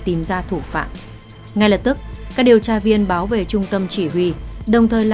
thông tin này là một trong những thông tin đáng nhớ